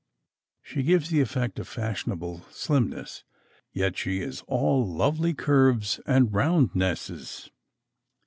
She gives the effect of fashion able slimness, yet she is all lovely curves and roundnesses.